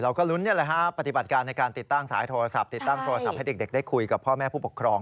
ลุ้นปฏิบัติการในการติดตั้งสายโทรศัพท์ติดตั้งโทรศัพท์ให้เด็กได้คุยกับพ่อแม่ผู้ปกครอง